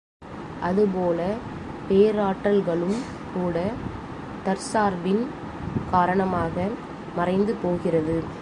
அது போல, பேராற்றல்களும் கூட, தற்சார்பின் காரணமாக மறைந்து போகிறது.